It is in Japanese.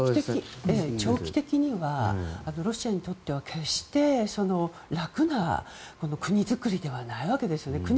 長期的にはロシアにとっては決して楽な国づくりではないわけですよね。